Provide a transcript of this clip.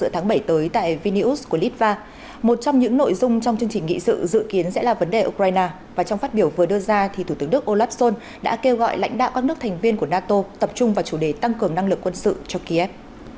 thủ tướng đức olaf scholz đã kêu gọi lãnh đạo các nước thành viên của nato tập trung vào chủ đề tăng cường năng lực quân sự cho kiev